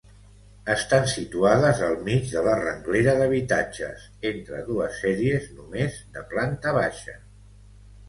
Estan situades al mig de la renglera d'habitatges, entre dues sèries només de planta baixa.